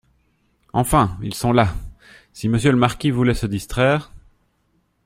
Enfin, ils sont là !… si monsieur le marquis voulait se distraire…